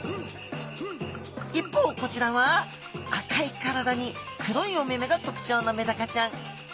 一方こちらは赤い体に黒いお目目が特徴のメダカちゃん。